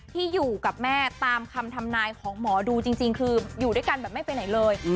ที่อยู่กับแม่ตามคำทำนายของหมอดูจริงคืออยู่ด้วยกันแบบไม่ไปไหนเลย